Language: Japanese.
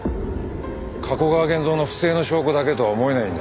加古川源蔵の不正の証拠だけとは思えないんだ。